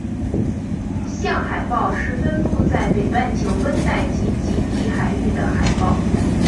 港海豹是分布在北半球温带及极地海域的海豹。